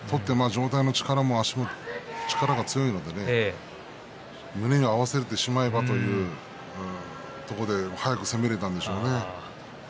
足の力も強いので胸を合わせてしまえばというところで速く攻められたんでしょうね。